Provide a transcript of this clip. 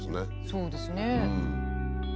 そうですね。